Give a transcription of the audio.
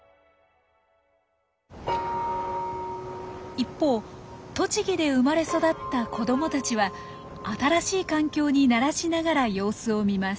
一方栃木で生まれ育った子どもたちは新しい環境に慣らしながら様子を見ます。